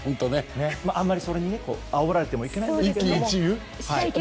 あまり、それにあおられてもいけないのかなと。